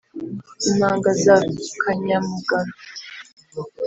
impanga za kanyamugarfa